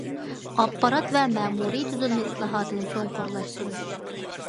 ئاپپارات ۋە مەمۇرىي تۈزۈلمە ئىسلاھاتىنى چوڭقۇرلاشتۇرۇش.